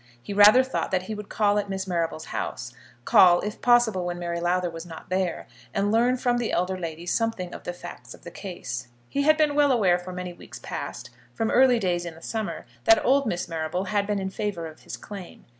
He rather thought that he would call at Miss Marrable's house, call if possible when Mary Lowther was not there, and learn from the elder lady something of the facts of the case. He had been well aware for many weeks past, from early days in the summer, that old Miss Marrable had been in favour of his claim.